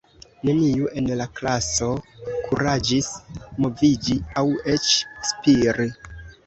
Neniu en la klaso kuraĝis moviĝi aŭ eĉ spiri.